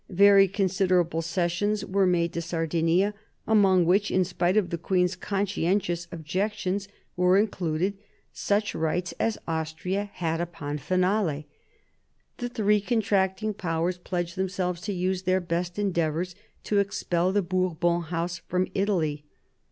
Very considerable cessions were made to Sardinia, among which, in spite of the queen's conscientious objections, were included such rights as Austria had upon Finale. The three contracting Powers pledged themselves to use their best endeavours to expel the Bourbon House from Italy.